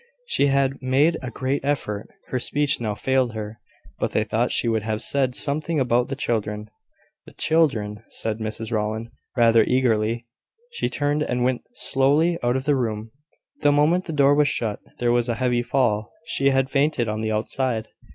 She had made a great effort. Her speech now failed her; but they thought she would have said something about the children. "The children " said Mrs Rowland, rather eagerly. She turned, and went slowly out of the room. The moment the door was shut, there was a heavy fall. She had fainted on the outside.